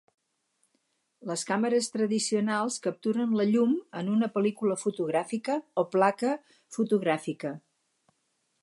Les càmeres tradicionals capturen la llum en una pel·lícula fotogràfica o placa fotogràfica.